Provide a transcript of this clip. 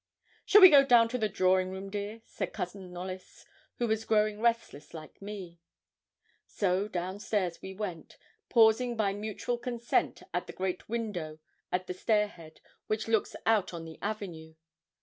'Shall we go down to the drawing room, dear?' said Cousin Knollys, who was growing restless like me. So down stairs we went, pausing by mutual consent at the great window at the stair head, which looks out on the avenue.